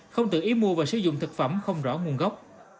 không tự ý mua và sử dụng thực phẩm không rõ nguồn gốc